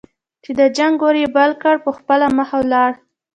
چې د جنګ اور یې بل کړ په خپله مخه ولاړ.